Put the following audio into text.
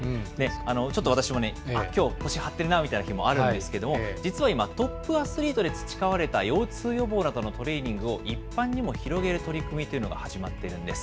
ちょっと私もね、あっ、きょう、腰張ってるなってこともあるんですけども、実は今、トップアスリートで培われた腰痛予防などのトレーニングを一般にも広げる取り組みというのが始まっているんです。